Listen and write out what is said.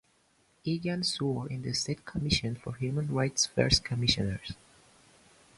Egan swore in the State Commission for Human Rights’ first commissioners.